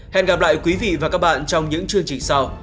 hẹn gặp lại quý vị và các bạn trong những chương trình sau